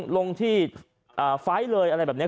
ลงที่ไฟล์เลยอะไรแบบนี้